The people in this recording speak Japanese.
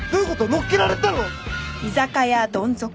乗っけられたの！？